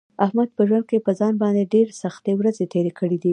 احمد په ژوند کې په ځان باندې ډېرې سختې ورځې تېرې کړې دي.